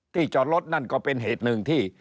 จอดรถนั่นก็เป็นเหตุหนึ่งที่